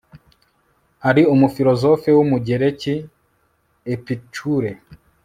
hari umufilozofe w'umugereki epicure